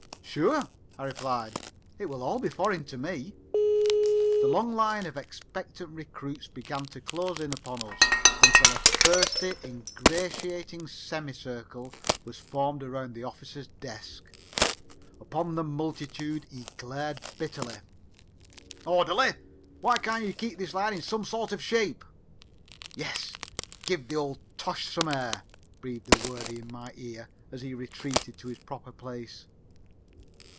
"Sure," I replied. "It will all be foreign to me." The long line of expectant recruits began to close in upon us until a thirsty, ingratiating semi circle was formed around the officer's desk. Upon the multitude he glared bitterly. "Orderly! why can't you keep this line in some sort of shape?" "Yes, give the old tosh some air," breathed a worthy in my ear as he retreated to his proper place.